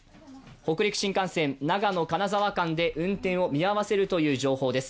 北陸新幹線、長野−金沢間で運転を見合わせるという情報です。